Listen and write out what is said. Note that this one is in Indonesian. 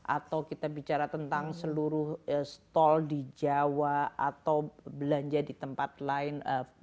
atau kita bicara tentang seluruh stol di jawa atau belanja di tempat lain